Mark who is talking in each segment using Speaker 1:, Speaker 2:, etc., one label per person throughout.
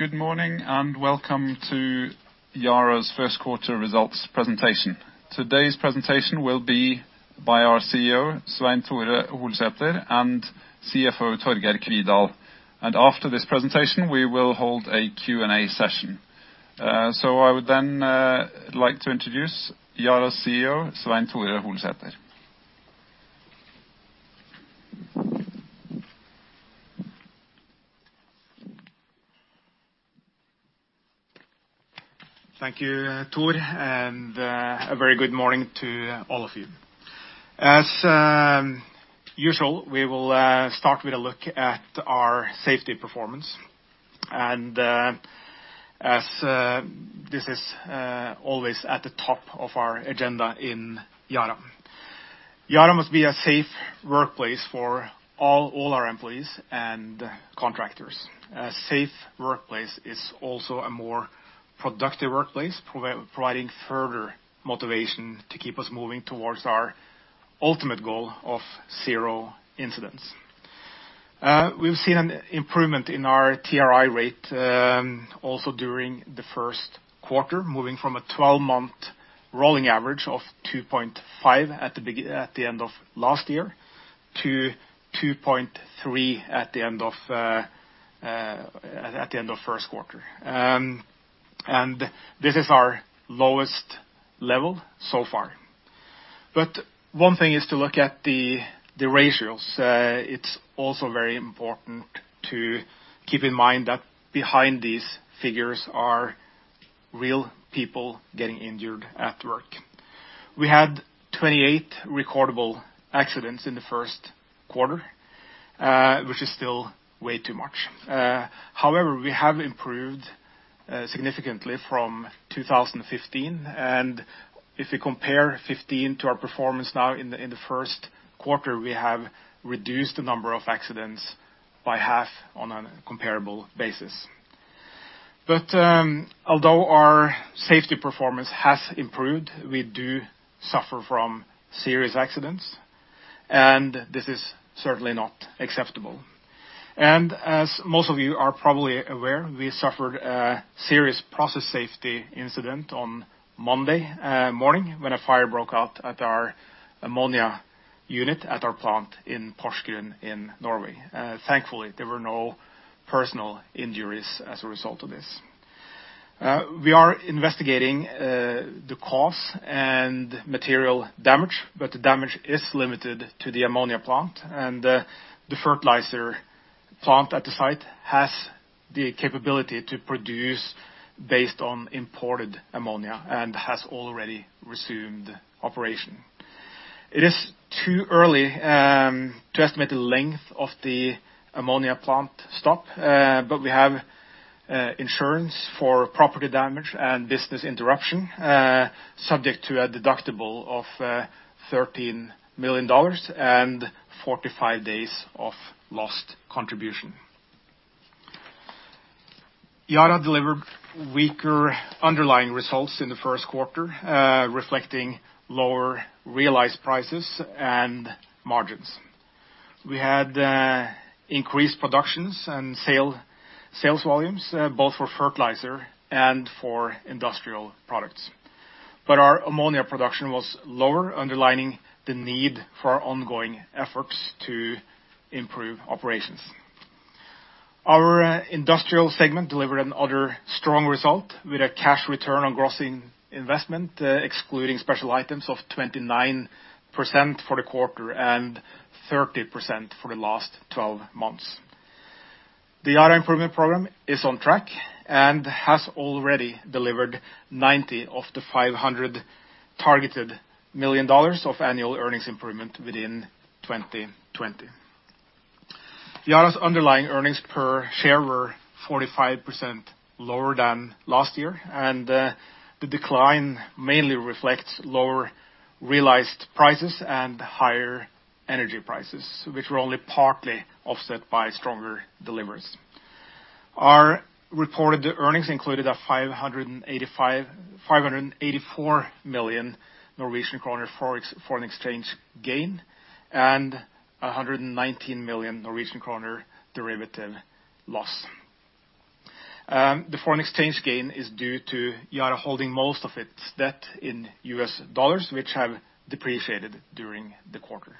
Speaker 1: Good morning, welcome to Yara's first quarter results presentation. Today's presentation will be by our CEO, Svein Tore Holsether, and CFO, Torgeir Kvidal. After this presentation, we will hold a Q&A session. I would then like to introduce Yara's CEO, Svein Tore Holsether.
Speaker 2: Thank you, Tor, a very good morning to all of you. As usual, we will start with a look at our safety performance, as this is always at the top of our agenda in Yara. Yara must be a safe workplace for all our employees and contractors. A safe workplace is also a more productive workplace, providing further motivation to keep us moving towards our ultimate goal of zero incidents. We've seen an improvement in our TRI rate, also during the first quarter, moving from a 12-month rolling average of 2.5 at the end of last year to 2.3 at the end of first quarter. This is our lowest level so far. One thing is to look at the ratios. It's also very important to keep in mind that behind these figures are real people getting injured at work. We had 28 recordable accidents in the first quarter, which is still way too much. However, we have improved significantly from 2015, if we compare 2015 to our performance now in the first quarter, we have reduced the number of accidents by half on a comparable basis. Although our safety performance has improved, we do suffer from serious accidents, this is certainly not acceptable. As most of you are probably aware, we suffered a serious process safety incident on Monday morning when a fire broke out at our ammonia unit at our plant in Porsgrunn in Norway. Thankfully, there were no personal injuries as a result of this. We are investigating the cause and material damage, but the damage is limited to the ammonia plant, the fertilizer plant at the site has the capability to produce based on imported ammonia and has already resumed operation. It is too early to estimate the length of the ammonia plant stop, we have insurance for property damage and business interruption, subject to a deductible of $13 million and 45 days of lost contribution. Yara delivered weaker underlying results in the first quarter, reflecting lower realized prices and margins. We had increased productions and sales volumes both for fertilizer and for industrial products. Our ammonia production was lower, underlining the need for our ongoing efforts to improve operations. Our industrial segment delivered another strong result with a cash return on gross investment, excluding special items of 29% for the quarter and 30% for the last 12 months. The Yara Improvement Program is on track and has already delivered 90 of the $500 targeted million of annual earnings improvement within 2020. Yara's underlying earnings per share were 45% lower than last year. The decline mainly reflects lower realized prices and higher energy prices, which were only partly offset by stronger deliveries. Our reported earnings included a 584 million Norwegian kroner foreign exchange gain and 119 million Norwegian kroner derivative loss. The foreign exchange gain is due to Yara holding most of its debt in U.S. dollars, which have depreciated during the quarter.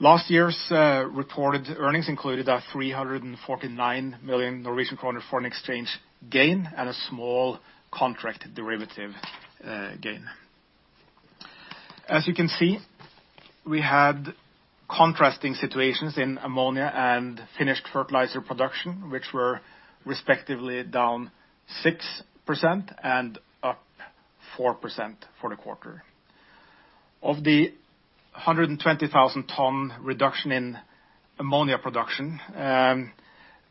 Speaker 2: Last year's reported earnings included a 349 million Norwegian kroner foreign exchange gain and a small contract derivative gain. As you can see, we had contrasting situations in ammonia and finished fertilizer production, which were respectively down 6% and up 4% for the quarter. Of the 120,000 tons reduction in ammonia production,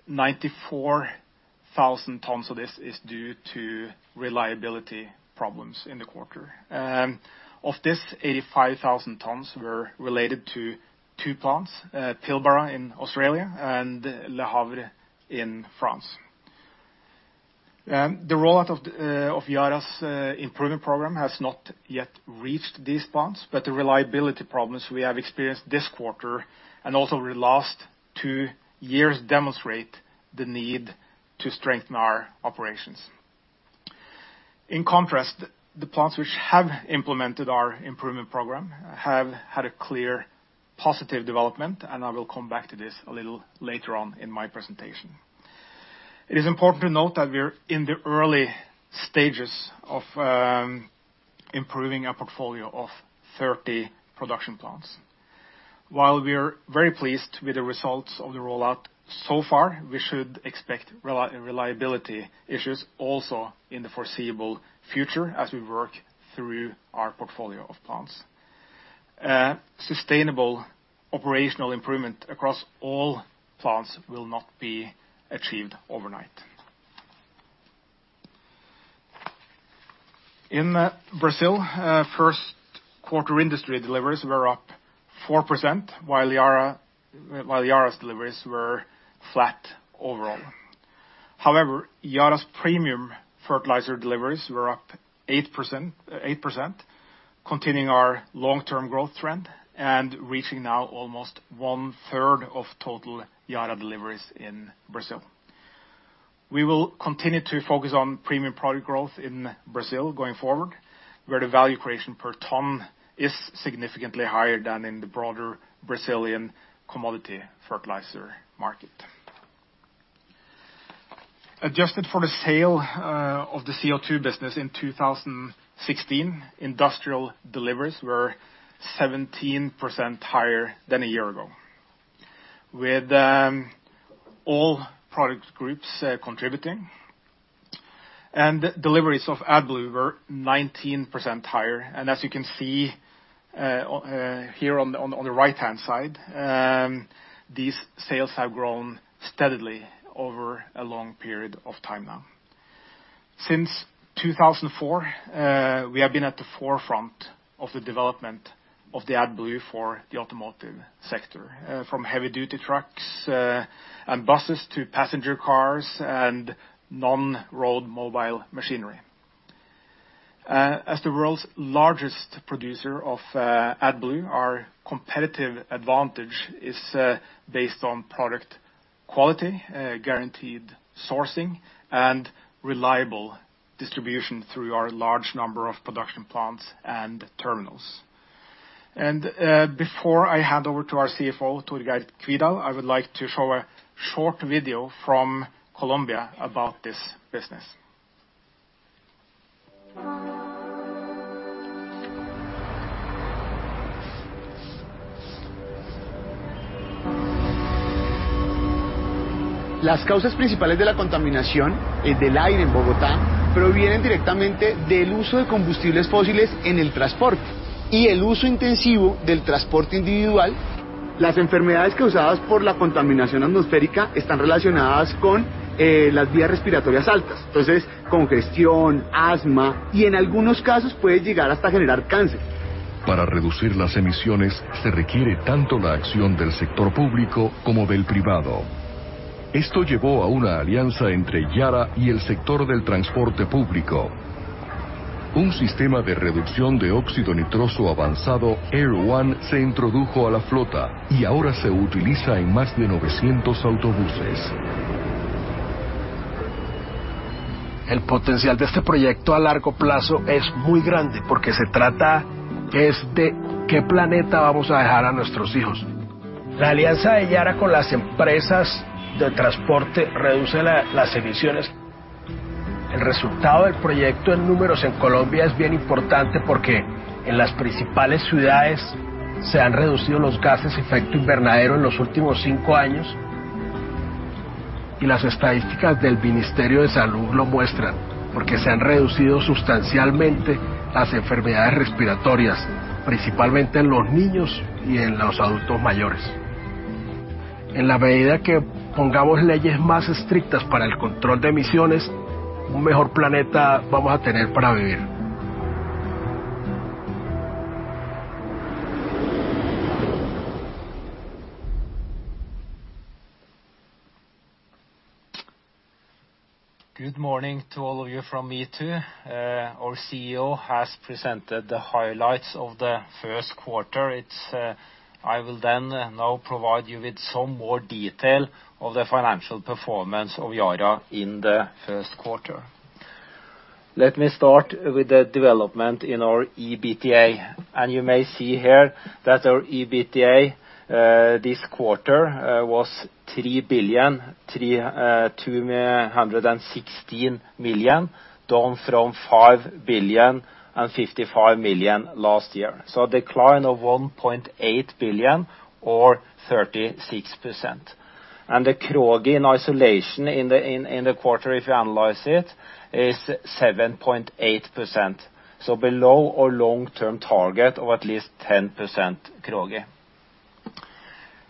Speaker 2: 94,000 tons of this is due to reliability problems in the quarter. Of this, 85,000 tons were related to two plants, Pilbara in Australia and Le Havre in France. The rollout of Yara Improvement Program has not yet reached these plants, but the reliability problems we have experienced this quarter, and also over the last two years, demonstrate the need to strengthen our operations. In contrast, the plants which have implemented our improvement program have had a clear positive development. I will come back to this a little later on in my presentation. It is important to note that we're in the early stages of improving a portfolio of 30 production plants. While we are very pleased with the results of the rollout so far, we should expect reliability issues also in the foreseeable future as we work through our portfolio of plants. Sustainable operational improvement across all plants will not be achieved overnight. In Brazil, first quarter industry deliveries were up 4%, while Yara's deliveries were flat overall. However, Yara's premium fertilizer deliveries were up 8%, continuing our long-term growth trend and reaching now almost one-third of total Yara deliveries in Brazil. We will continue to focus on premium product growth in Brazil going forward, where the value creation per ton is significantly higher than in the broader Brazilian commodity fertilizer market. Adjusted for the sale of the CO2 business in 2016, industrial deliveries were 17% higher than a year ago, with all product groups contributing. Deliveries of AdBlue were 19% higher. As you can see here on the right-hand side, these sales have grown steadily over a long period of time now. Since 2004, we have been at the forefront of the development of the AdBlue for the automotive sector, from heavy duty trucks and buses to passenger cars and non-road mobile machinery. As the world's largest producer of AdBlue, our competitive advantage is based on product quality, guaranteed sourcing, and reliable distribution through our large number of production plants and terminals. Before I hand over to our CFO, Torgeir Kvidal, I would like to show a short video from Colombia about this business.
Speaker 3: Good morning to all of you from me, too. Our CEO has presented the highlights of the first quarter. I will now provide you with some more detail of the financial performance of Yara in the first quarter. Let me start with the development in our EBITDA. You may see here that our EBITDA this quarter was 3,216 million, down from 5,055 million last year. A decline of 1.8 billion or 36%. The CROGI in isolation in the quarter, if you analyze it, is 7.8%. Below our long-term target of at least 10% CROGI.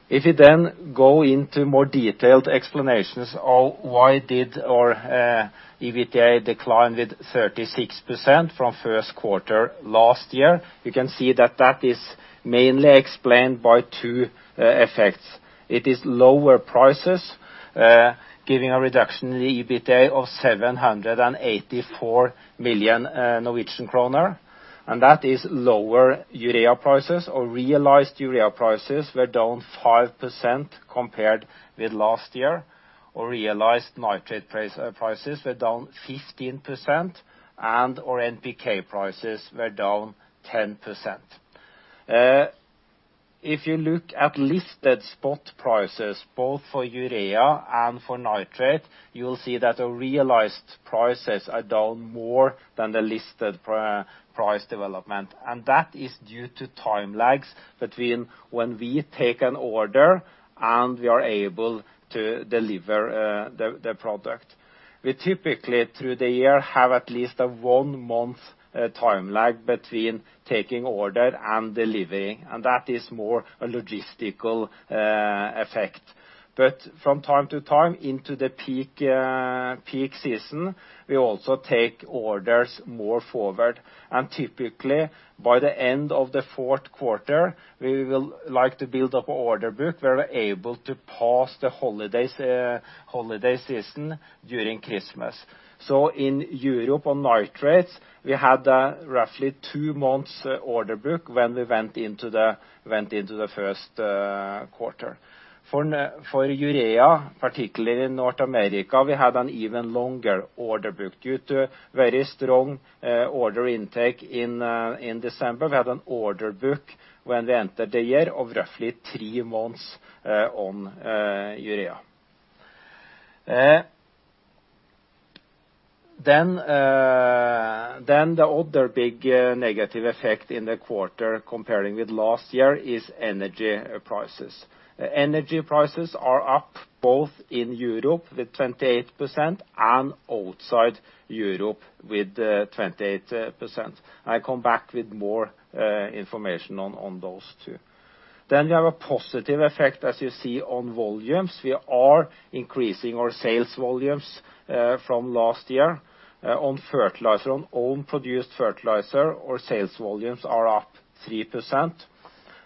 Speaker 3: If we then go into more detailed explanations of why did our EBITDA decline with 36% from first quarter last year, you can see that that is mainly explained by two effects. It is lower prices, giving a reduction in the EBITDA of 784 million Norwegian kroner. That is lower urea prices or realized urea prices were down 5% compared with last year, or realized nitrate prices were down 15%, and our NPK prices were down 10%. If you look at listed spot prices, both for urea and for nitrate, you will see that our realized prices are down more than the listed price development. That is due to time lags between when we take an order and we are able to deliver the product. We typically, through the year, have at least a one-month time lag between taking order and delivering, and that is more a logistical effect. From time to time into the peak season, we also take orders more forward and typically by the end of the fourth quarter, we will like to build up order book. We are able to pass the holiday season during Christmas. In Europe, on Nitrates, we had roughly two months order book when we went into the first quarter. For urea, particularly in North America, we had an even longer order book due to very strong order intake in December. We had an order book when we entered the year of roughly three months on urea. The other big negative effect in the quarter comparing with last year is energy prices. Energy prices are up both in Europe with 28% and outside Europe with 28%. I come back with more information on those two. We have a positive effect as you see on volumes. We are increasing our sales volumes from last year on fertilizer. On own-produced fertilizer, our sales volumes are up 3%.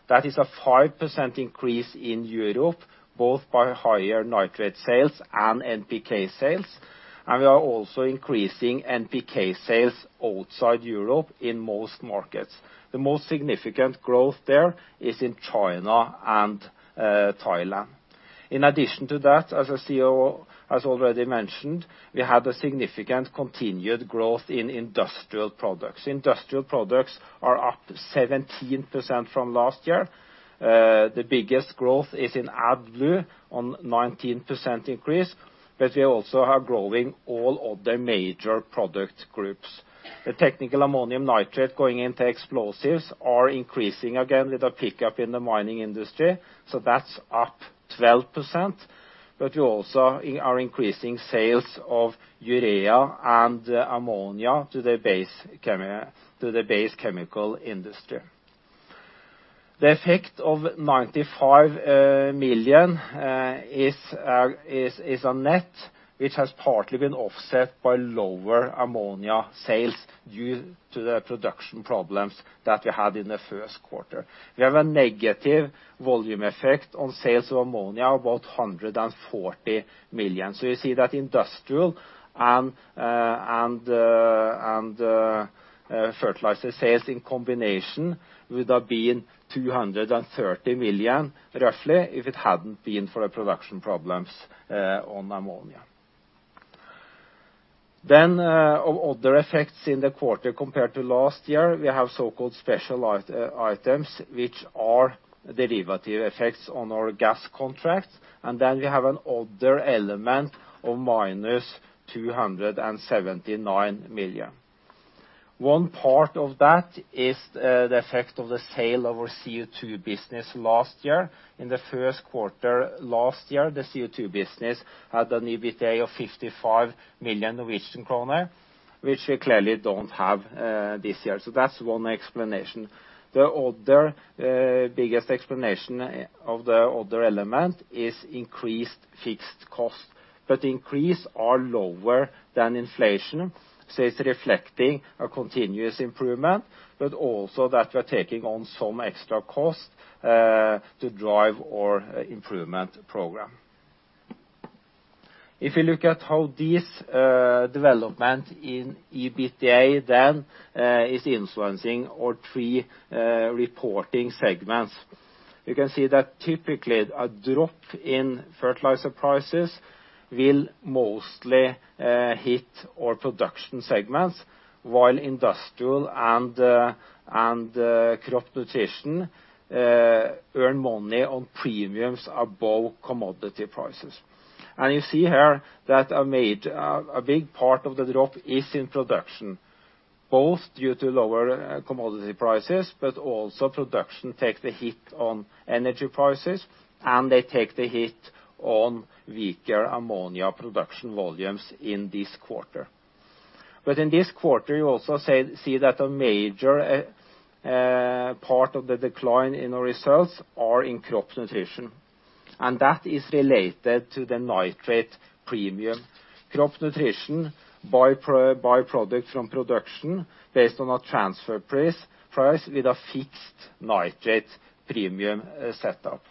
Speaker 3: That is a 5% increase in Europe, both by higher nitrate sales and NPK sales. We are also increasing NPK sales outside Europe in most markets. The most significant growth there is in China and Thailand. In addition to that, as already mentioned, we had a significant continued growth in industrial products. Industrial products are up 17% from last year. The biggest growth is in AdBlue on 19% increase, but we also are growing all other major product groups. The Technical Ammonium Nitrate going into explosives are increasing again with a pickup in the mining industry, so that's up 12%. We also are increasing sales of urea and ammonia to the base chemical industry. The effect of 95 million is a net which has partly been offset by lower ammonia sales due to the production problems that we had in the first quarter. We have a negative volume effect on sales of ammonia, about 140 million. You see that industrial and fertilizer sales in combination would have been 230 million roughly if it hadn't been for the production problems on ammonia. Of other effects in the quarter compared to last year. We have so-called special items, which are derivative effects on our gas contract, and then we have an other element of minus 279 million. One part of that is the effect of the sale of our CO2 business last year. In the first quarter last year, the CO2 business had an EBITDA of 55 million Norwegian kroner, which we clearly don't have this year. That's one explanation. The other biggest explanation of the other element is increased fixed cost. Increase are lower than inflation, so it's reflecting a continuous improvement, but also that we're taking on some extra cost to drive our Yara Improvement Program. If you look at how this development in EBITDA is influencing our three reporting segments. You can see that typically a drop in fertilizer prices will mostly hit our production segments while industrial and Crop Nutrition earn money on premiums above commodity prices. You see here that a big part of the drop is in production, both due to lower commodity prices, but also production takes the hit on energy prices, and they take the hit on weaker ammonia production volumes in this quarter. In this quarter, you also see that a major part of the decline in our results are in Crop Nutrition, and that is related to the nitrate premium. Crop Nutrition buy product from production based on a transfer price with a fixed nitrate premium set up.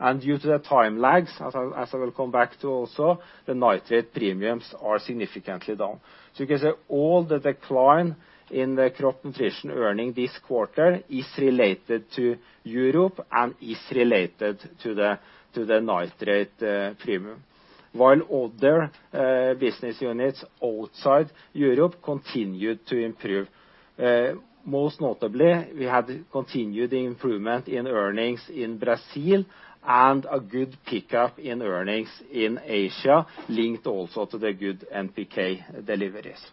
Speaker 3: Due to the time lags, as I will come back to also, the nitrate premiums are significantly down. You can say all the decline in the Crop Nutrition earning this quarter is related to Europe and is related to the nitrate premium. While other business units outside Europe continued to improve. Most notably, we had continued the improvement in earnings in Brazil and a good pickup in earnings in Asia, linked also to the good NPK deliveries.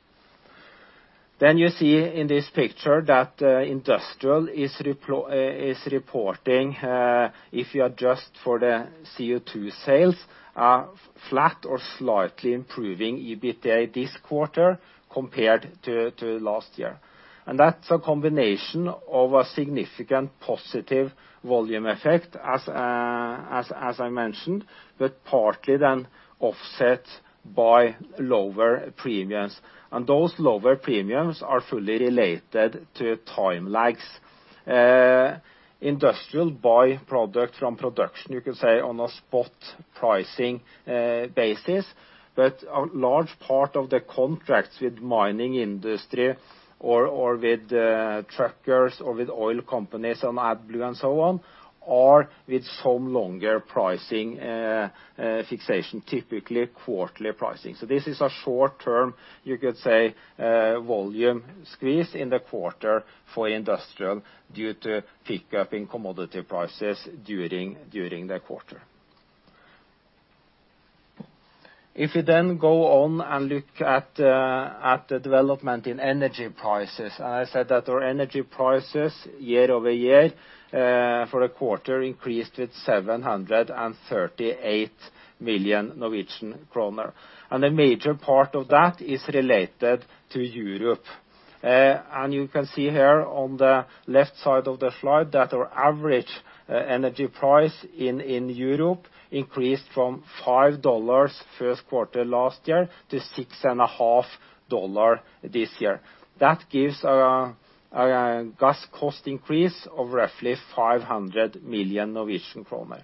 Speaker 3: You see in this picture that industrial is reporting, if you adjust for the CO2 business, are flat or slightly improving EBITDA this quarter compared to last year. That's a combination of a significant positive volume effect as I mentioned, but partly offset by lower premiums. Those lower premiums are fully related to time lags. Industrial buy product from production, you could say, on a spot pricing basis, but a large part of the contracts with mining industry or with truckers or with oil companies on AdBlue and so on, are with some longer pricing fixation, typically quarterly pricing. This is a short term, you could say, volume squeeze in the quarter for industrial due to pickup in commodity prices during the quarter. We go on and look at the development in energy prices. I said that our energy prices year-over-year, for the quarter increased with 738 million Norwegian kroner. A major part of that is related to Europe. You can see here on the left side of the slide that our average energy price in Europe increased from $5 first quarter last year to $6.50 this year. That gives a gas cost increase of roughly 500 million Norwegian kroner.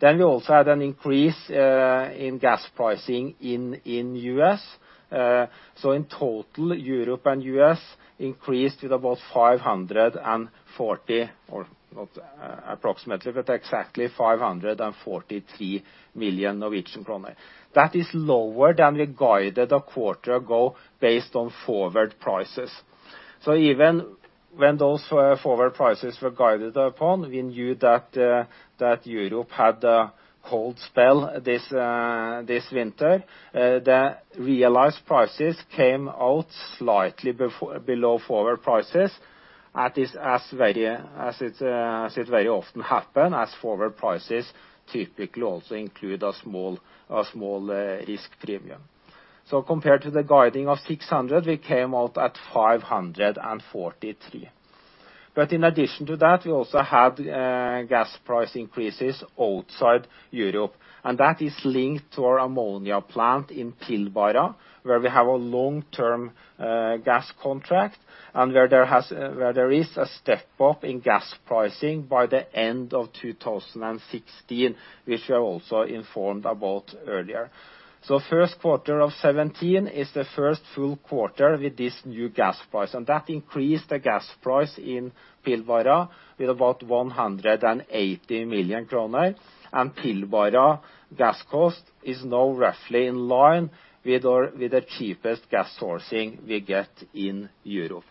Speaker 3: We also had an increase in gas pricing in the U.S. In total, Europe and the U.S. increased with about 540, or not approximately, but exactly 543 million Norwegian kroner. That is lower than we guided a quarter ago based on forward prices. Even when those forward prices were guided upon, we knew that Europe had a cold spell this winter. The realized prices came out slightly below forward prices, as it very often happen, as forward prices typically also include a small risk premium. Compared to the guiding of 600, we came out at 543. In addition to that, we also had gas price increases outside Europe, and that is linked to our ammonia plant in Pilbara, where we have a long-term gas contract and where there is a step-up in gas pricing by the end of 2016, which we are also informed about earlier. First quarter of 2017 is the first full quarter with this new gas price, and that increased the gas price in Pilbara with about 180 million kroner. Pilbara gas cost is now roughly in line with the cheapest gas sourcing we get in Europe.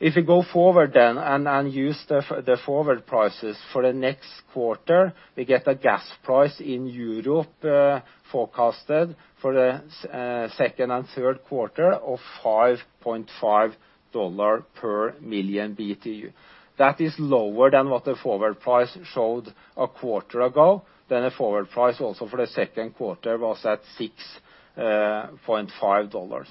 Speaker 3: We use the forward prices for the next quarter. We get a gas price in Europe forecasted for the second and third quarter of $5.50 per million BTU. That is lower than what the forward price showed a quarter ago. The forward price also for the second quarter was at $6.50.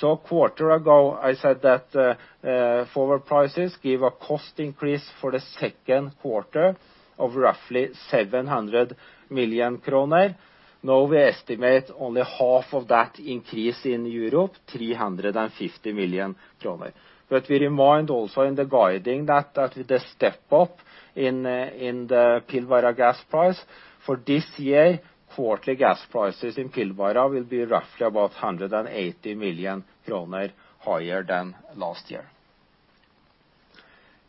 Speaker 3: A quarter ago, I said that forward prices give a cost increase for the second quarter of roughly 700 million kroner. Now we estimate only half of that increase in Europe, 350 million kroner. We remind also in the guiding that with the step up in the Pilbara gas price for this year, quarterly gas prices in Pilbara will be roughly about 180 million kroner higher than last year.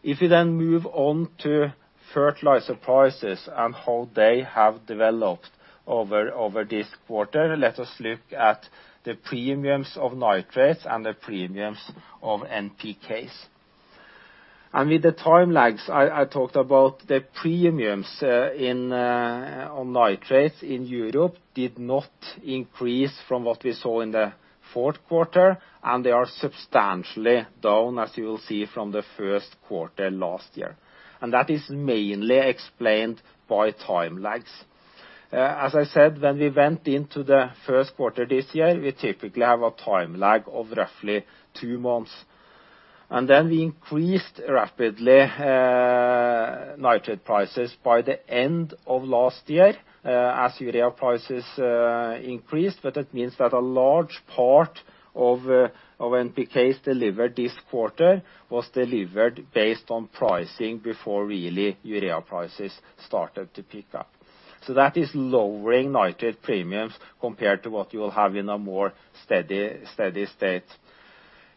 Speaker 3: We move on to fertilizer prices and how they have developed over this quarter. Let us look at the premiums of nitrates and the premiums of NPKs. With the time lags I talked about, the premiums on nitrates in Europe did not increase from what we saw in the fourth quarter, and they are substantially down, as you will see, from the first quarter last year. That is mainly explained by time lags. As I said, when we went into the first quarter this year, we typically have a time lag of roughly two months. Then we increased rapidly nitrate prices by the end of last year as urea prices increased. It means that a large part of NPKs delivered this quarter was delivered based on pricing before really urea prices started to pick up. That is lowering Nitrates premiums compared to what you will have in a more steady state.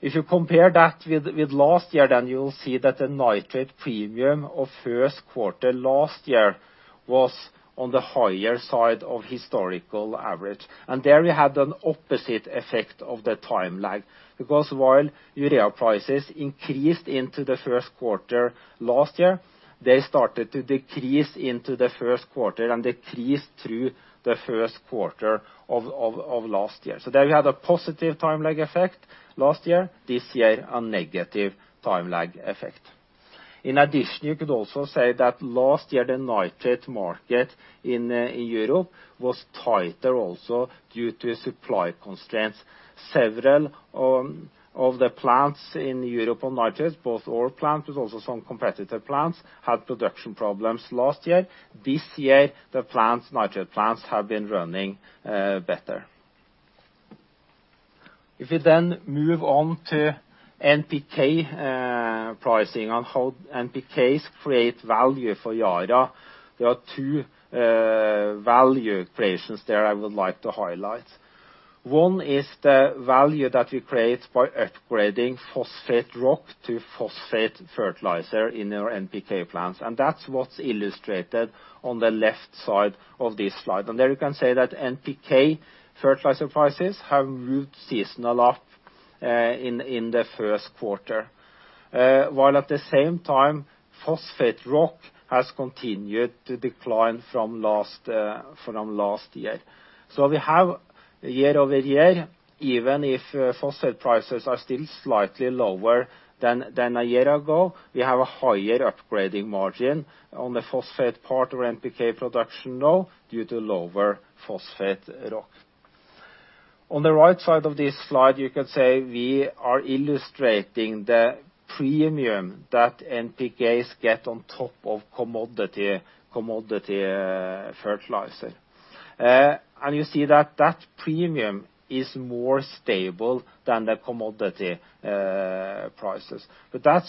Speaker 3: If you compare that with last year, you will see that the Nitrates premium of first quarter last year was on the higher side of historical average. There we had an opposite effect of the time lag, because while urea prices increased into the first quarter last year, they started to decrease into the first quarter and decreased through the first quarter of last year. There we had a positive time lag effect last year, this year a negative time lag effect. In addition, you could also say that last year the Nitrates market in Europe was tighter also due to supply constraints. Several of the plants in Europe on Nitrates, both our plants but also some competitor plants, had production problems last year. This year, the Nitrates plants have been running better. If we then move on to NPK pricing and how NPKs create value for Yara, there are two value creations there I would like to highlight. One is the value that we create by upgrading phosphate rock to phosphate fertilizer in our NPK plants. That's what's illustrated on the left side of this slide. There you can say that NPK fertilizer prices have moved seasonal up in the first quarter, while at the same time, phosphate rock has continued to decline from last year. We have year-over-year, even if phosphate prices are still slightly lower than a year ago, we have a higher upgrading margin on the phosphate part of NPK production now due to lower phosphate rock. On the right side of this slide, you can say we are illustrating the premium that NPKs get on top of commodity fertilizer. That's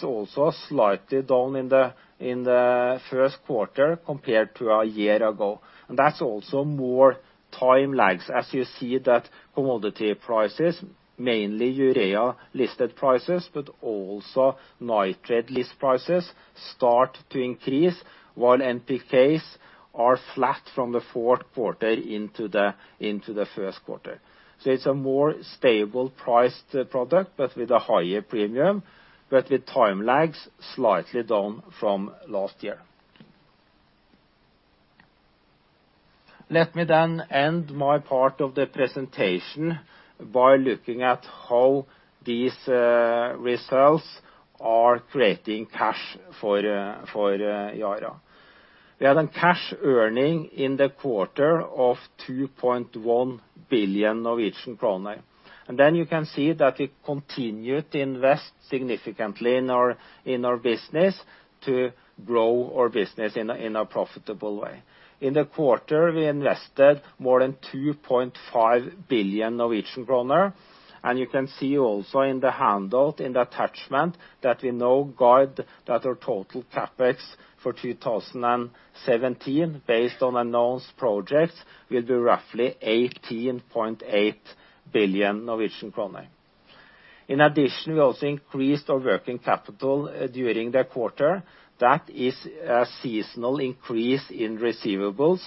Speaker 3: also slightly down in the first quarter compared to a year ago. That's also more time lags as you see that commodity prices, mainly urea listed prices, but also Nitrates list prices, start to increase while NPKs are flat from the fourth quarter into the first quarter. It's a more stable priced product, but with a higher premium, but with time lags slightly down from last year. Let me then end my part of the presentation by looking at how these results are creating cash for Yara. We had a cash earning in the quarter of 2.1 billion Norwegian kroner. You can see that we continued to invest significantly in our business to grow our business in a profitable way. In the quarter, we invested more than 2.5 billion Norwegian kroner. You can see also in the handout, in the attachment, that we now guide that our total CapEx for 2017, based on announced projects, will be roughly 18.8 billion Norwegian kroner. In addition, we also increased our working capital during the quarter. That is a seasonal increase in receivables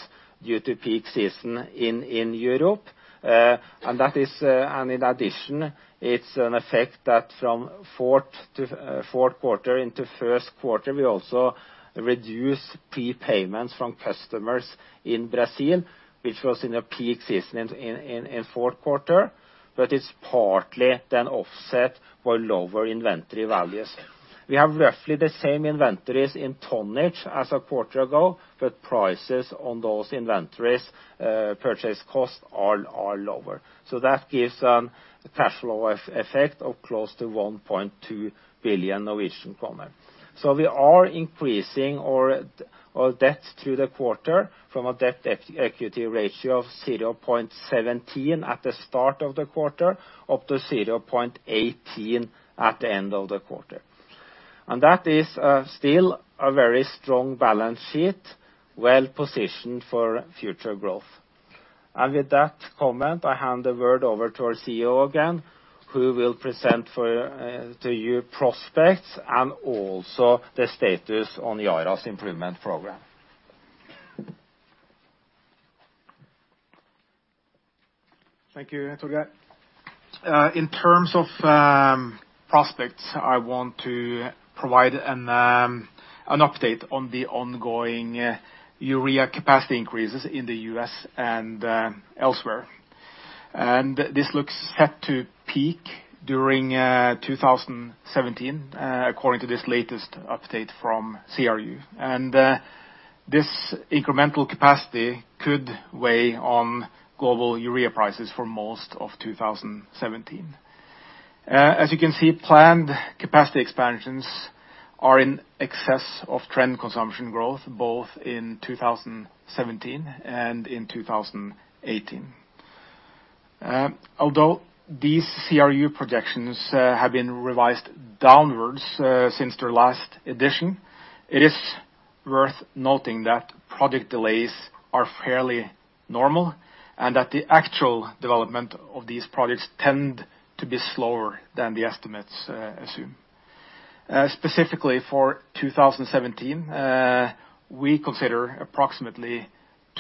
Speaker 3: due to peak season in Europe. In addition, it's an effect that from fourth quarter into first quarter, we also reduce prepayments from customers in Brazil, which was in a peak season in fourth quarter, but it's partly then offset by lower inventory values. We have roughly the same inventories in tonnage as a quarter ago, but prices on those inventories, purchase costs are lower. That gives a cash flow effect of close to 1.2 billion Norwegian kroner. We are increasing our debt through the quarter from a debt-to-equity ratio of 0.17 at the start of the quarter, up to 0.18 at the end of the quarter. That is still a very strong balance sheet, well positioned for future growth. With that comment, I hand the word over to our CEO again, who will present to you prospects and also the status on Yara Improvement Program.
Speaker 2: Thank you, Torgeir. In terms of prospects, I want to provide an update on the ongoing urea capacity increases in the U.S. and elsewhere. This looks set to peak during 2017, according to this latest update from CRU. This incremental capacity could weigh on global urea prices for most of 2017. As you can see, planned capacity expansions are in excess of trend consumption growth, both in 2017 and in 2018. Although these CRU projections have been revised downwards since their last edition, it is worth noting that project delays are fairly normal, and that the actual development of these projects tend to be slower than the estimates assume. Specifically for 2017, we consider approximately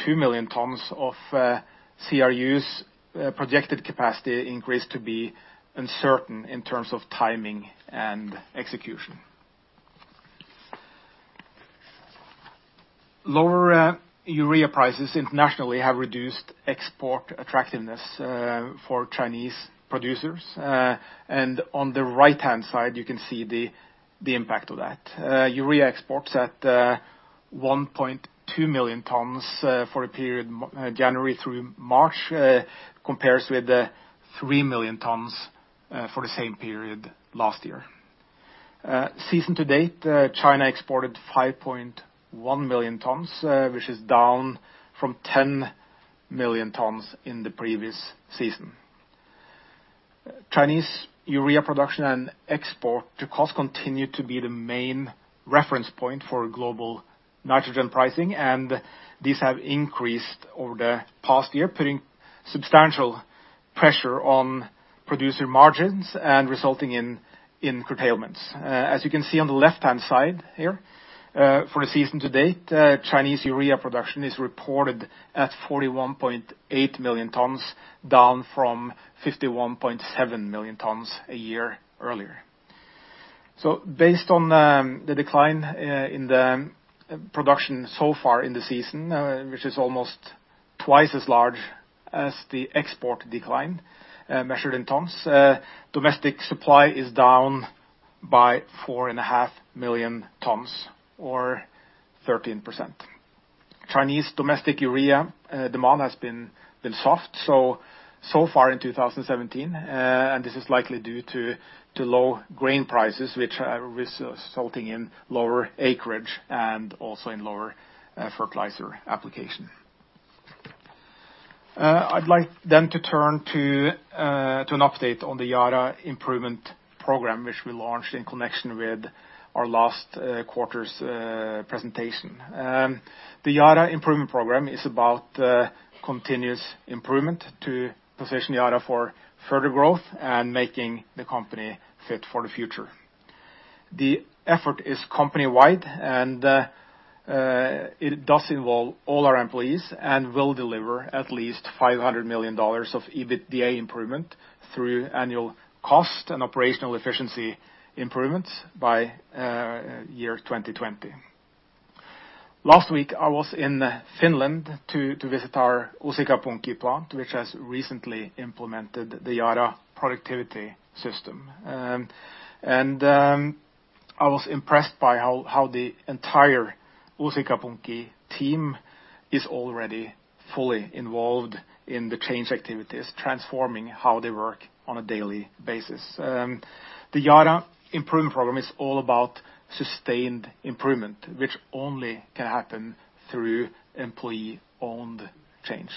Speaker 2: 2 million tons of CRU's projected capacity increase to be uncertain in terms of timing and execution. Lower urea prices internationally have reduced export attractiveness for Chinese producers. On the right-hand side, you can see the impact of that. Urea exports at 1.2 million tons for the period January through March, compares with the 3 million tons for the same period last year. Season to date, China exported 5.1 million tons, which is down from 10 million tons in the previous season. Chinese urea production and export costs continue to be the main reference point for global nitrogen pricing, and these have increased over the past year, putting substantial pressure on producer margins and resulting in curtailments. As you can see on the left-hand side here, for the season to date, Chinese urea production is reported at 41.8 million tons, down from 51.7 million tons a year earlier. Based on the decline in the production so far in the season, which is almost twice as large as the export decline measured in tons, domestic supply is down by 4.5 million tons or 13%. Chinese domestic urea demand has been soft so far in 2017, and this is likely due to low grain prices, which are resulting in lower acreage and also in lower fertilizer application. I'd like then to turn to an update on the Yara Improvement Program, which we launched in connection with our last quarter's presentation. The Yara Improvement Program is about continuous improvement to position Yara for further growth and making the company fit for the future. The effort is company-wide and it does involve all our employees and will deliver at least $500 million of EBITDA improvement through annual cost and operational efficiency improvements by year 2020. Last week I was in Finland to visit our Uusikaupunki plant, which has recently implemented the Yara Productivity System. I was impressed by how the entire Uusikaupunki team is already fully involved in the change activities, transforming how they work on a daily basis. The Yara Improvement Program is all about sustained improvement, which only can happen through employee-owned change.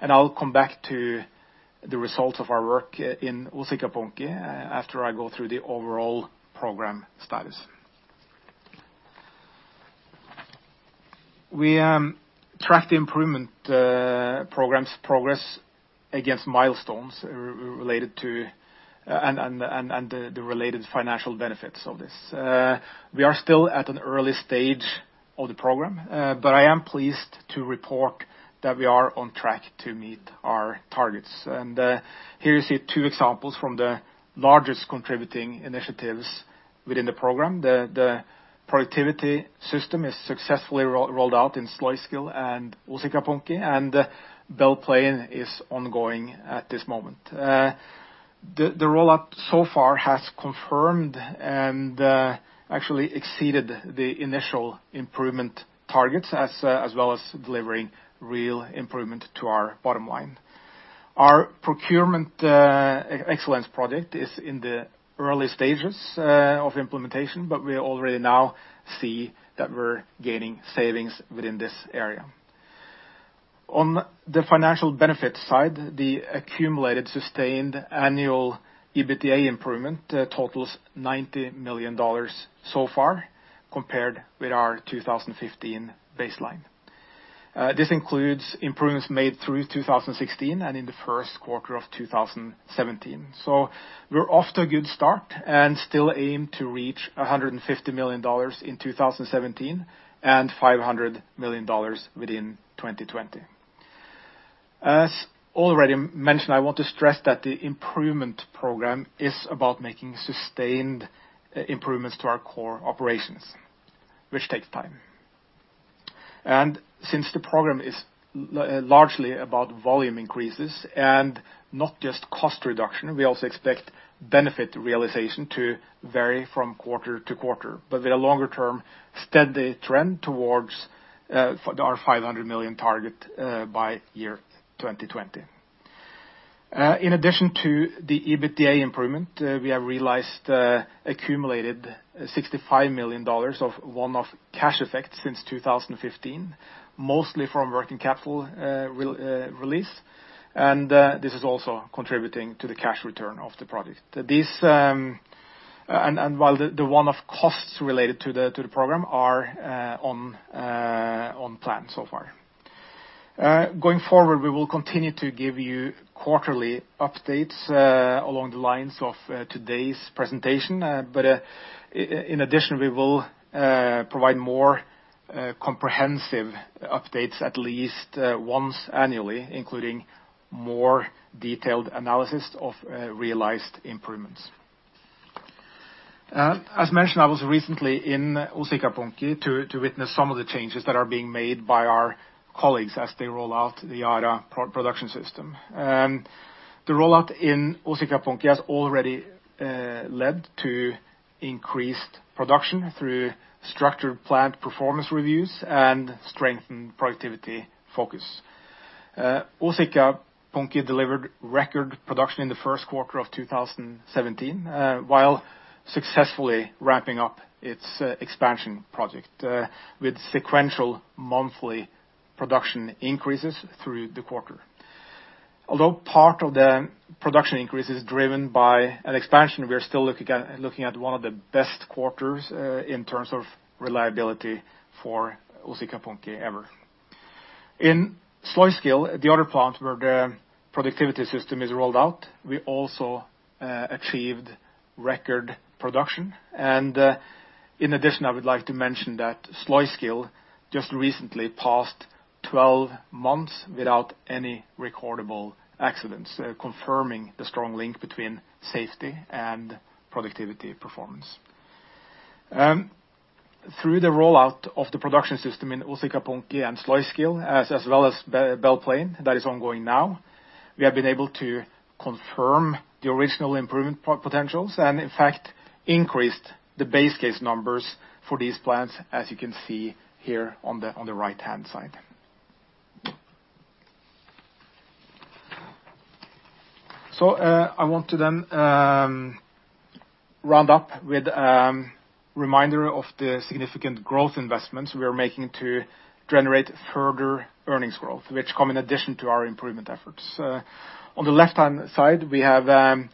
Speaker 2: I will come back to the results of our work in Uusikaupunki after I go through the overall program status. We track the improvement progress against milestones and the related financial benefits of this. We are still at an early stage of the program, but I am pleased to report that we are on track to meet our targets. Here you see two examples from the largest contributing initiatives within the program. The Yara Productivity System is successfully rolled out in Sluiskil and Uusikaupunki, Belle Plaine is ongoing at this moment. The rollout so far has confirmed and actually exceeded the initial improvement targets, as well as delivering real improvement to our bottom line. Our procurement excellence project is in the early stages of implementation, we already now see that we are gaining savings within this area. On the financial benefit side, the accumulated sustained annual EBITDA improvement totals $90 million so far, compared with our 2015 baseline. This includes improvements made through 2016 and in the first quarter of 2017. We are off to a good start and still aim to reach $150 million in 2017 and $500 million within 2020. As already mentioned, I want to stress that the Yara Improvement Program is about making sustained improvements to our core operations, which takes time. Since the program is largely about volume increases and not just cost reduction, we also expect benefit realization to vary from quarter to quarter, but with a longer-term steady trend towards our $500 million target by year 2020. In addition to the EBITDA improvement, we have realized accumulated NOK 65 million of one-off cash effects since 2015, mostly from working capital release. This is also contributing to the cash return of the project. While the one-off costs related to the program are on plan so far. Going forward, we will continue to give you quarterly updates along the lines of today's presentation. In addition, we will provide more comprehensive updates at least once annually, including more detailed analysis of realized improvements. As mentioned, I was recently in Uusikaupunki to witness some of the changes that are being made by our colleagues as they roll out the Yara Productivity System. The rollout in Uusikaupunki has already led to increased production through structured plant performance reviews and strengthened productivity focus. Uusikaupunki delivered record production in the first quarter of 2017, while successfully ramping up its expansion project with sequential monthly production increases through the quarter. Although part of the production increase is driven by an expansion, we are still looking at one of the best quarters in terms of reliability for Uusikaupunki ever. In Sluiskil, the other plant where the Yara Productivity System is rolled out, we also achieved record production. In addition, I would like to mention that Sluiskil just recently passed 12 months without any recordable accidents, confirming the strong link between safety and productivity performance. Through the rollout of the production system in Uusikaupunki and Sluiskil, as well as Belle Plaine, that is ongoing now, we have been able to confirm the original improvement potentials, and in fact, increased the base case numbers for these plants, as you can see here on the right-hand side. I want to then round up with a reminder of the significant growth investments we are making to generate further earnings growth, which come in addition to our improvement efforts. On the left-hand side, we have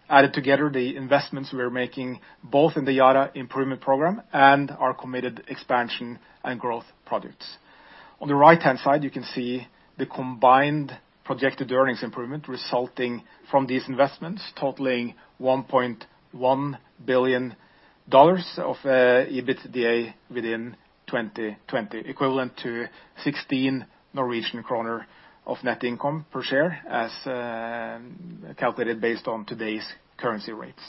Speaker 2: added together the investments we are making, both in the Yara Improvement Program and our committed expansion and growth projects. On the right-hand side, you can see the combined projected earnings improvement resulting from these investments totaling $1.1 billion of EBITDA within 2020, equivalent to 16 Norwegian kroner of net income per share, as calculated based on today's currency rates.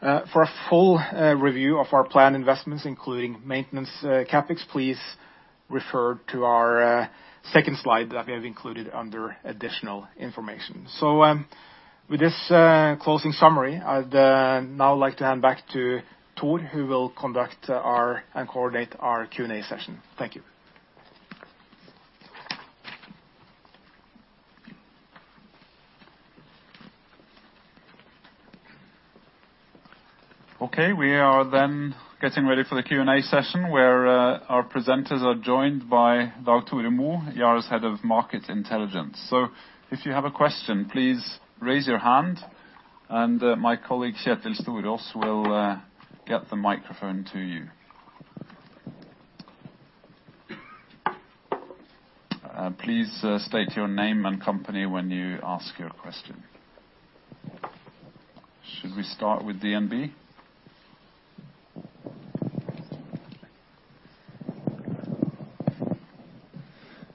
Speaker 2: For a full review of our planned investments, including maintenance CapEx, please refer to our second slide that we have included under additional information. With this closing summary, I'd now like to hand back to Tor, who will conduct and coordinate our Q&A session. Thank you.
Speaker 1: We are then getting ready for the Q&A session where our presenters are joined by Dag Tore Mo, Yara's Head of Market Intelligence. If you have a question, please raise your hand and my colleague, Kjetil Røtvedt, will get the microphone to you. Please state your name and company when you ask your question. Should we start with DNB?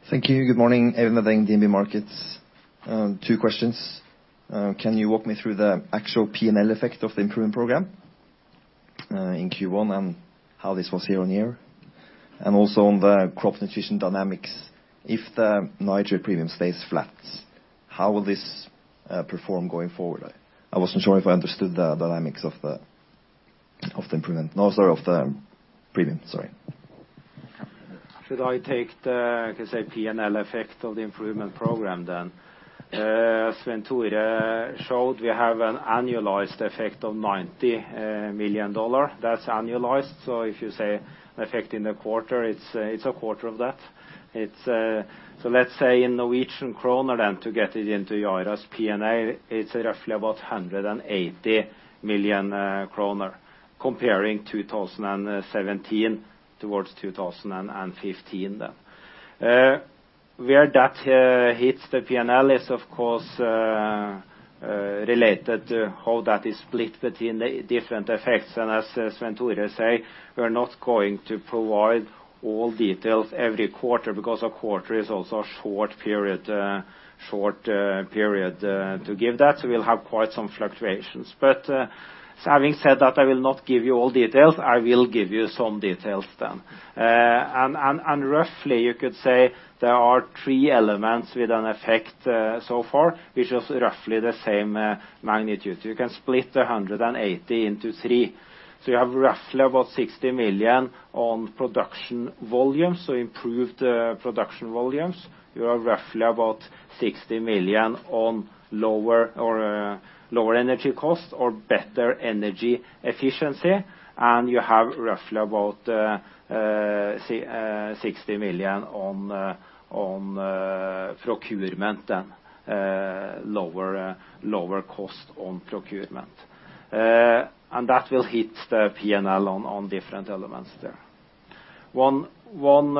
Speaker 4: Thank you. Good morning, Eivind Mathiesen, DNB Markets. Two questions. Can you walk me through the actual P&L effect of the improvement program in Q1 and how this was year-on-year? Also on the Crop Nutrition dynamics, if the Nitrate premium stays flat, how will this perform going forward? I wasn't sure if I understood the dynamics of the premium, sorry.
Speaker 3: Should I take the, can say, P&L effect of the improvement program?
Speaker 4: Yes.
Speaker 3: Svein Tore showed we have an annualized effect of $90 million. That's annualized, so if you say effect in a quarter, it's a quarter of that. Let's say in NOK to get it into Yara's P&L, it's roughly about 180 million kroner comparing 2017 towards 2015. Where that hits the P&L is of course related to how that is split between the different effects. As Svein Tore say, we're not going to provide all details every quarter because a quarter is also a short period to give that, so we'll have quite some fluctuations. Having said that, I will not give you all details. I will give you some details. Roughly you could say there are three elements with an effect so far, which is roughly the same magnitude. You can split the 180 into three. You have roughly about 60 million on production volume, so improved production volumes. You have roughly about 60 million on lower energy cost or better energy efficiency, and you have roughly about 60 million on procurement, lower cost on procurement. That will hit the P&L on different elements there. One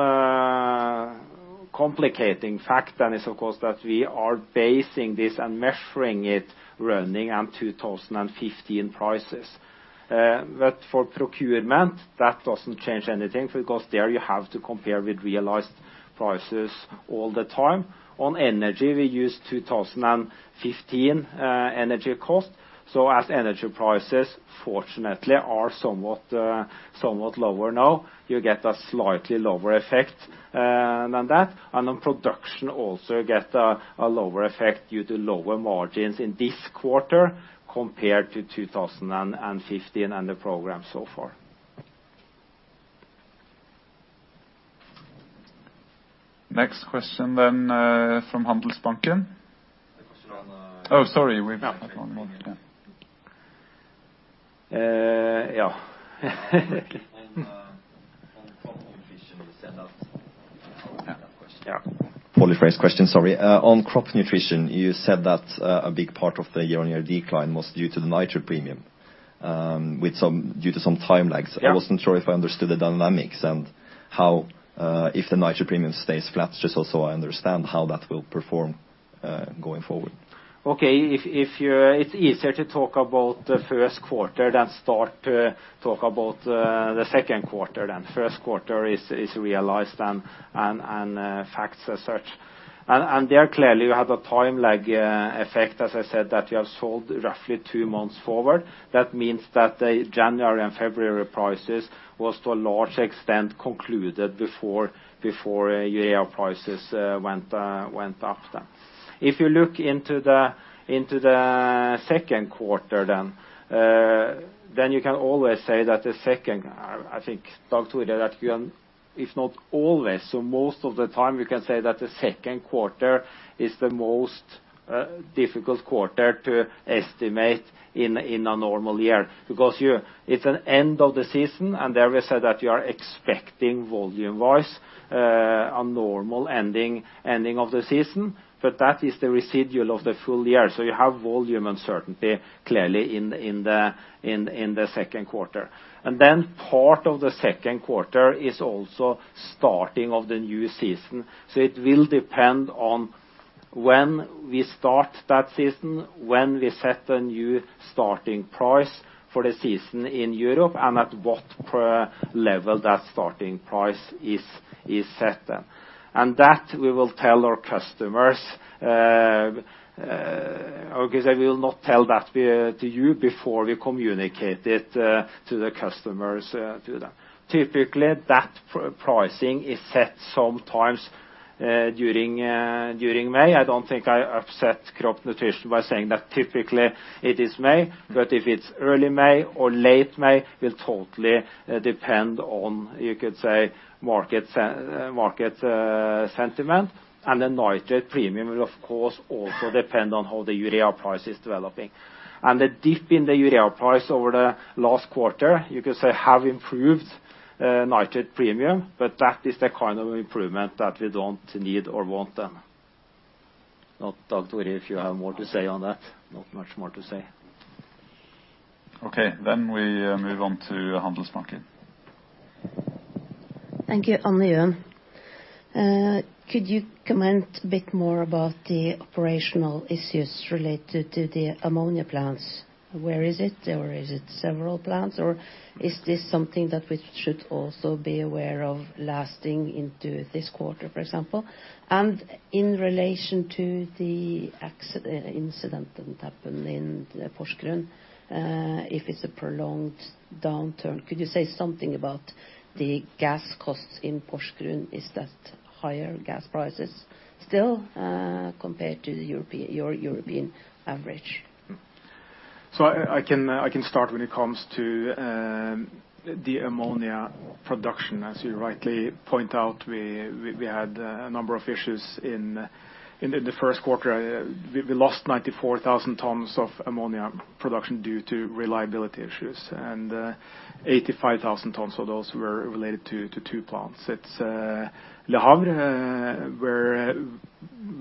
Speaker 3: complicating factor is, of course, that we are basing this and measuring it running on 2015 prices. For procurement, that doesn't change anything because there you have to compare with realized prices all the time. On energy, we use 2015 energy cost. As energy prices, fortunately, are somewhat lower now, you get a slightly lower effect than that. On production also you get a lower effect due to lower margins in this quarter compared to 2015 and the program so far.
Speaker 1: Next question from Handelsbanken.
Speaker 4: The question on-
Speaker 1: Oh, sorry. We have one more here.
Speaker 3: Yeah.
Speaker 4: On Crop Nutrition, you said that-
Speaker 3: Yeah.
Speaker 4: Poorly phrased question, sorry. On Crop Nutrition, you said that a big part of the year-on-year decline was due to the nitrate premium due to some time lags.
Speaker 3: Yeah.
Speaker 4: I wasn't sure if I understood the dynamics and how, if the nitrate premium stays flat, just so I understand how that will perform going forward.
Speaker 3: Okay. It's easier to talk about the first quarter than start to talk about the second quarter. First quarter is realized and facts as such. There clearly you have a time lag effect, as I said, that you have sold roughly two months forward. That means that the January and February prices was to a large extent concluded before urea prices went up. You look into the second quarter then, you can always say that the second, I think, talk to me if not always, so most of the time you can say that the second quarter is the most difficult quarter to estimate in a normal year. It's an end of the season, and there we said that we are expecting volume-wise a normal ending of the season, but that is the residual of the full year. You have volume uncertainty clearly in the second quarter. Then part of the second quarter is also starting of the new season. It will depend on when we start that season, when we set the new starting price for the season in Europe, and at what level that starting price is set. That we will tell our customers, because I will not tell that to you before we communicate it to the customers. Typically, that pricing is set sometimes during May. I don't think I upset Crop Nutrition by saying that typically it is May, but if it's early May or late May will totally depend on, you could say, market sentiment. The nitrate premium will, of course, also depend on how the urea price is developing. The dip in the urea price over the last quarter, you could say, have improved nitrate premium, but that is the kind of improvement that we don't need or want then. Now, Dag Tore, if you have more to say on that. Not much more to say.
Speaker 1: Okay, we move on to Anne Skagseth.
Speaker 5: Thank you. Tore Mo. Could you comment a bit more about the operational issues related to the ammonia plants? Where is it? Is it several plants, or is this something that we should also be aware of lasting into this quarter, for example? In relation to the incident that happened in Porsgrunn, if it's a prolonged downturn, could you say something about the gas costs in Porsgrunn? Is that higher gas prices still, compared to your European average?
Speaker 2: I can start when it comes to the ammonia production. As you rightly point out, we had a number of issues in the first quarter. We lost 94,000 tons of ammonia production due to reliability issues, and 85,000 tons of those were related to two plants. It's Le Havre, where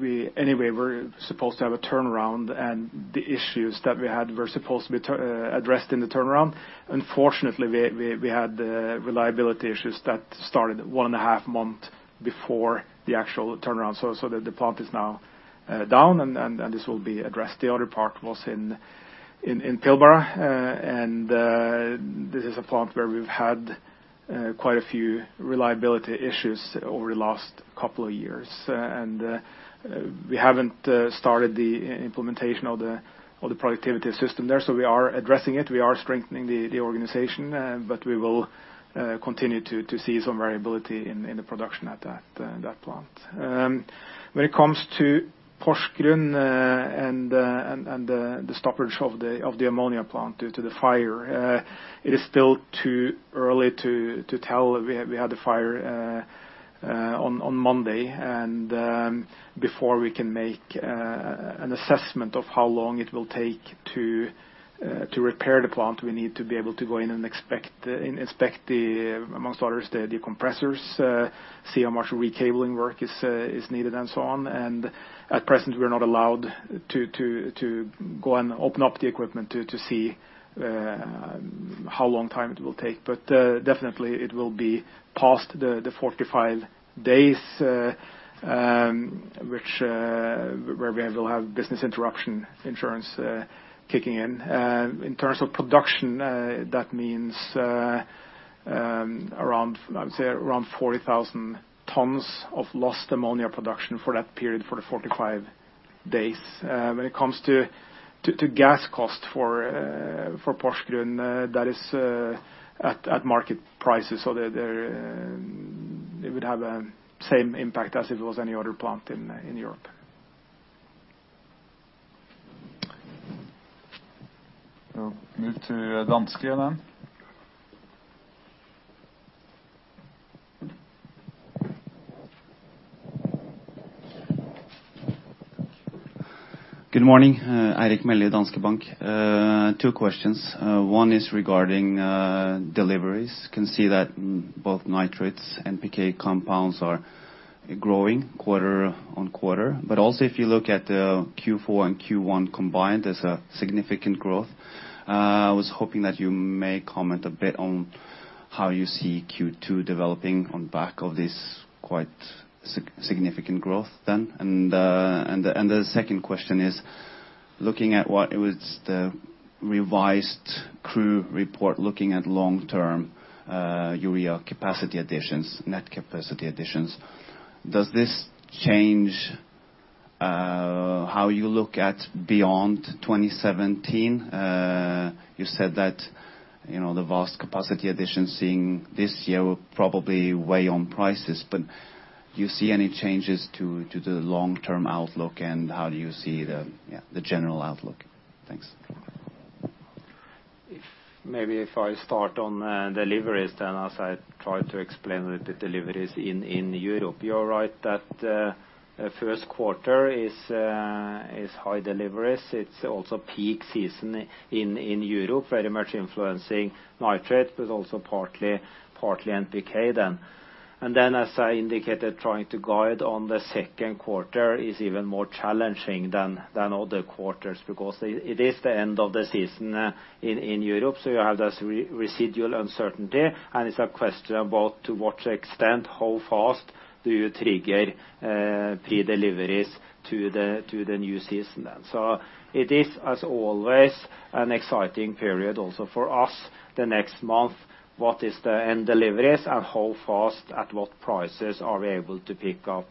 Speaker 2: we anyway were supposed to have a turnaround, and the issues that we had were supposed to be addressed in the turnaround. Unfortunately, we had reliability issues that started one and a half month before the actual turnaround, so the plant is now down, and this will be addressed. The other part was in Pilbara. This is a plant where we've had quite a few reliability issues over the last couple of years. We haven't started the implementation of the Productivity System there. We are addressing it. We are strengthening the organization. We will continue to see some variability in the production at that plant. When it comes to Porsgrunn and the stoppage of the ammonia plant due to the fire, it is still too early to tell. We had the fire on Monday. Before we can make an assessment of how long it will take to repair the plant, we need to be able to go in and inspect amongst others, the compressors, see how much recabling work is needed, and so on. At present, we're not allowed to go and open up the equipment to see
Speaker 3: How long time it will take, but definitely it will be past the 45 days, where we will have business interruption insurance kicking in. In terms of production, that means I would say, around 40,000 tons of lost ammonia production for that period, for the 45 days. When it comes to gas cost for Porsgrunn, that is at market prices. It would have the same impact as if it was any other plant in Europe.
Speaker 1: We'll move to Danske then.
Speaker 6: Good morning. Eirik Melle, Danske Bank. Two questions. One is regarding deliveries. Can see that both nitrates, NPK compounds are growing quarter-on-quarter, but also if you look at the Q4 and Q1 combined, there's a significant growth. I was hoping that you may comment a bit on how you see Q2 developing on back of this quite significant growth then. The second question is looking at what was the revised CRU report, looking at long-term urea capacity additions, net capacity additions. Does this change how you look at beyond 2017? You said that the vast capacity addition seeing this year will probably weigh on prices, do you see any changes to the long-term outlook and how do you see the general outlook? Thanks.
Speaker 3: Maybe if I start on deliveries then, as I tried to explain with the deliveries in Europe. You are right that first quarter is high deliveries. It's also peak season in Europe, very much influencing nitrate, but also partly NPK then. As I indicated, trying to guide on the second quarter is even more challenging than other quarters because it is the end of the season in Europe, you have this residual uncertainty, and it's a question about to what extent, how fast do you trigger pre-deliveries to the new season then. It is, as always, an exciting period also for us the next month. What is the end deliveries and how fast, at what prices are we able to pick up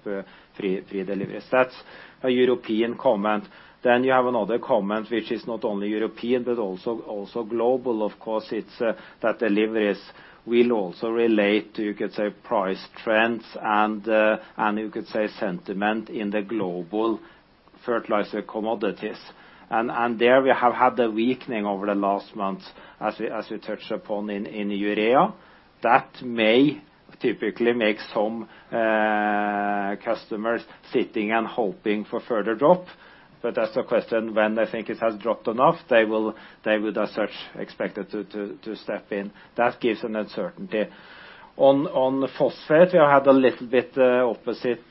Speaker 3: pre-deliveries? That's a European comment. You have another comment, which is not only European, but also global of course, it's that deliveries will also relate to, you could say, price trends and you could say sentiment in the global fertilizer commodities. There we have had the weakening over the last month as we touch upon in urea. That may typically make some customers sitting and hoping for further drop, but that's the question. When they think it has dropped enough, they would as such expected to step in. That gives an uncertainty. On the phosphate, we have had a little bit opposite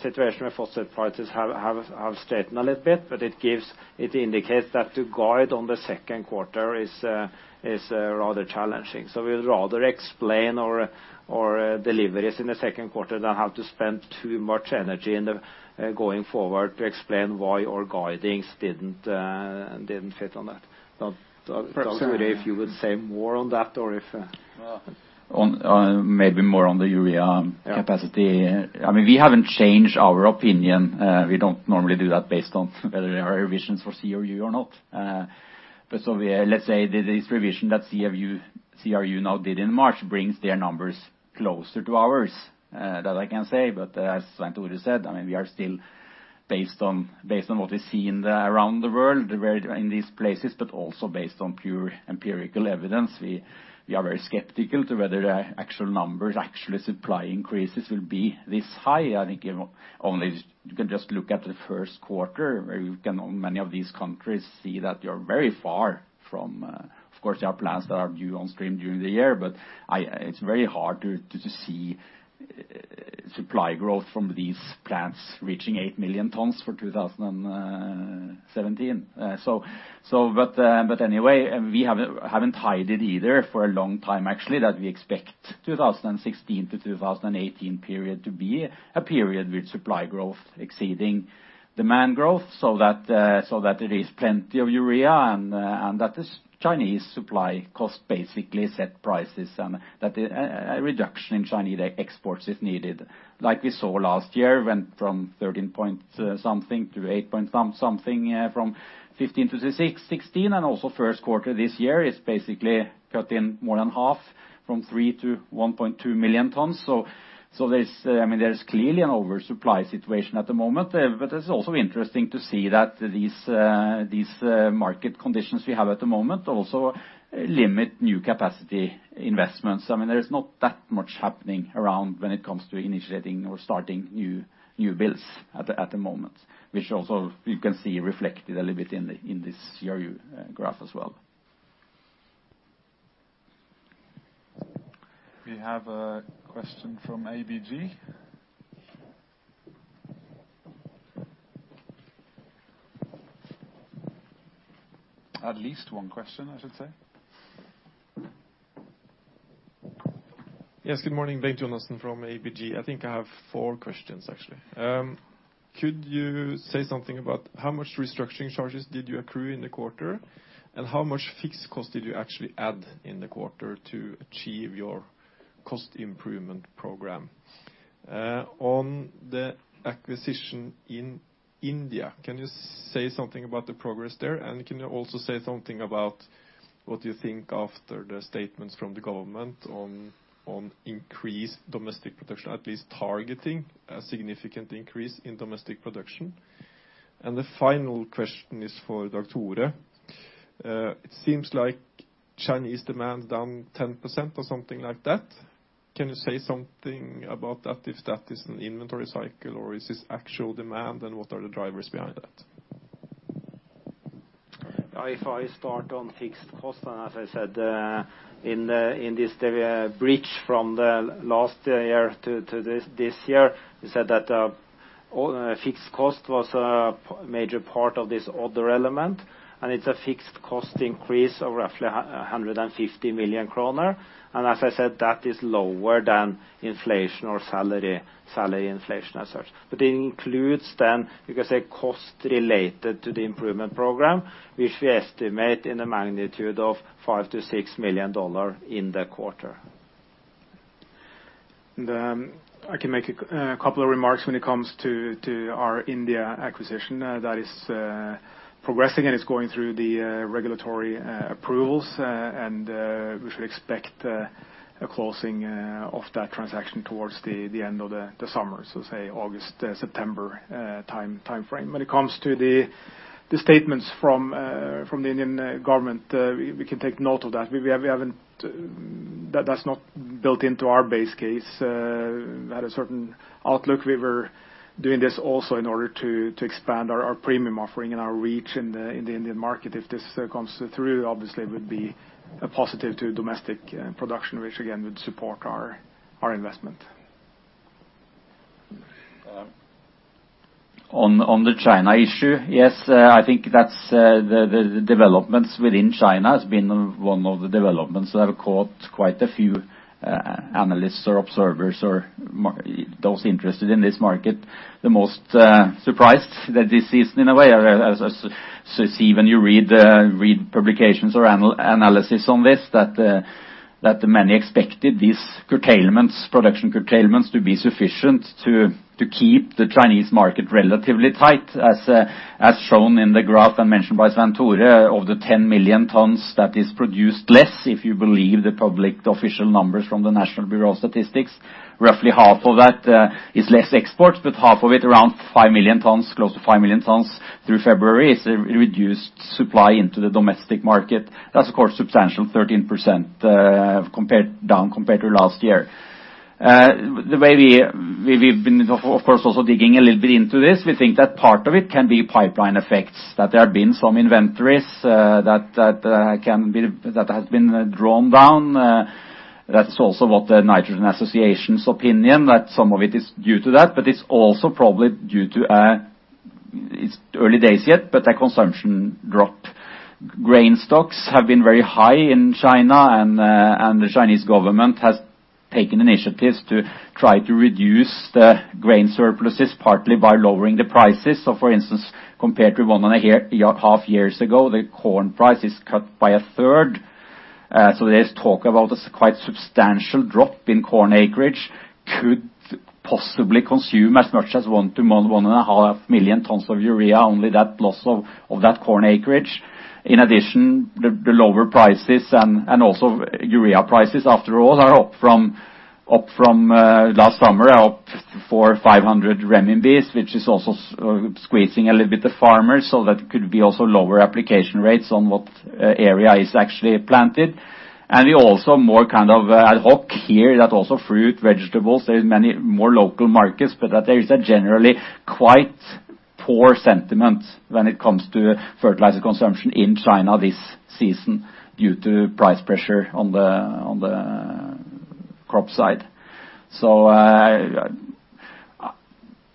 Speaker 3: situation where phosphate prices have straightened a little bit, but it indicates that to guide on the second quarter is rather challenging. We'd rather explain our deliveries in the second quarter than have to spend too much energy in the going forward to explain why our guidings didn't fit on that. Svein Tore, if you would say more on that or if
Speaker 7: Maybe more on the urea capacity.
Speaker 3: Yeah.
Speaker 7: We haven't changed our opinion. We don't normally do that based on whether there are revisions for CRU or not. Let's say this revision that CRU now did in March brings their numbers closer to ours. That I can say. As Svein Tore said, we are still based on what we see around the world, in these places, but also based on pure empirical evidence. We are very skeptical to whether the actual numbers, actual supply increases will be this high. I think you can just look at the first quarter where you can on many of these countries see that you're very far from Of course, there are plants that are due on stream during the year, but it's very hard to see supply growth from these plants reaching 8 million tons for 2017. Anyway, we haven't hid it either for a long time actually, that we expect 2016-2018 period to be a period with supply growth exceeding demand growth. That there is plenty of urea and that this Chinese supply cost basically set prices and that a reduction in Chinese exports if needed. Like we saw last year, went from 13 point something to eight point something from 2015 to 2016, and also first quarter this year is basically cut in more than half from 3 million tons to 1.2 million tons. There's clearly an oversupply situation at the moment. It's also interesting to see that these market conditions we have at the moment also limit new capacity investments. There is not that much happening around when it comes to initiating or starting new builds at the moment, which also you can see reflected a little bit in this CRU graph as well.
Speaker 1: We have a question from ABG. At least one question, I should say.
Speaker 8: Yes, good morning. Bengt Jonassen from ABG. I think I have four questions, actually. Could you say something about how much restructuring charges did you accrue in the quarter? How much fixed cost did you actually add in the quarter to achieve your cost improvement program? On the acquisition in India, can you say something about the progress there? Can you also say something about what you think after the statements from the government on increased domestic production, at least targeting a significant increase in domestic production? The final question is for Dag Tore. It seems like Chinese demand is down 10% or something like that. Can you say something about that, if that is an inventory cycle or is this actual demand, and what are the drivers behind that?
Speaker 3: If I start on fixed cost, as I said, in this, the breach from the last year to this year, we said that fixed cost was a major part of this other element, it's a fixed cost increase of roughly 150 million kroner. As I said, that is lower than inflation or salary inflation as such. It includes then, you could say, cost related to the improvement program, which we estimate in the magnitude of NOK 5 million-NOK 6 million in the quarter.
Speaker 2: I can make a couple of remarks when it comes to our India acquisition. That is progressing, and it's going through the regulatory approvals, and we should expect a closing of that transaction towards the end of the summer. Say August, September timeframe. When it comes to the statements from the Indian government, we can take note of that. That's not built into our base case. At a certain outlook, we were doing this also in order to expand our premium offering and our reach in the Indian market. If this comes through, obviously it would be a positive to domestic production, which again, would support our investment.
Speaker 7: On the China issue, yes, I think the developments within China has been one of the developments that have caught quite a few analysts or observers or those interested in this market the most surprised that this is in a way, as you see when you read publications or analysis on this, that many expected these curtailments, production curtailments to be sufficient to keep the Chinese market relatively tight. As shown in the graph and mentioned by Svein Tore, of the 10 million tons that is produced less, if you believe the public official numbers from the National Bureau of Statistics, roughly half of that is less exports, but half of it, around 5 million tons, close to 5 million tons through February, is reduced supply into the domestic market. That's of course substantial, 13% down compared to last year. The way we've been, of course, also digging a little bit into this, we think that part of it can be pipeline effects, that there have been some inventories that has been drawn down. That's also what the Nitrogen Association's opinion, that some of it is due to that, but it's also probably due to, it's early days yet, but a consumption drop. Grain stocks have been very high in China, and the Chinese government has taken initiatives to try to reduce the grain surpluses, partly by lowering the prices. For instance, compared to one and a half years ago, the corn price is cut by a third. There's talk about this quite substantial drop in corn acreage could possibly consume as much as 1 to 1.5 million tons of urea, only that loss of that corn acreage. In addition, the lower prices and also urea prices after all are up from last summer, are up CNY 400 or 500 renminbi, which is also squeezing a little bit the farmers, so that could be also lower application rates on what area is actually planted. We also more kind of ad hoc hear that also fruit, vegetables, there is many more local markets, but that there is a generally quite poor sentiment when it comes to fertilizer consumption in China this season due to price pressure on the crop side.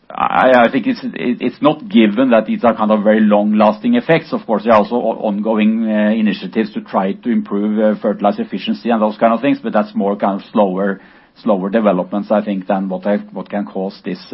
Speaker 7: I think it's not given that these are kind of very long-lasting effects. Of course, there are also ongoing initiatives to try to improve fertilizer efficiency and those kind of things, but that's more kind of slower developments, I think, than what can cause this